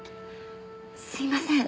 すいません。